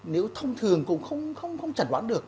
nếu thông thường cũng không chẩn đoán được